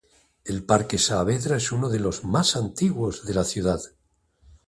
El Parque Saavedra es uno de los más antiguos de la ciudad.